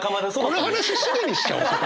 この話しげにしちゃおうそこ。